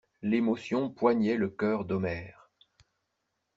L'émotion poignait le cœur d'Omer.